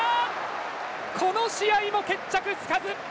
この試合も決着つかず！